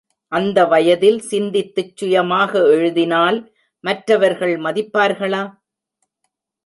அந்த வயதில், சிந்தித்துச் சுயமாக எழுதினால், மற்றவர் மதிப்பார்களா?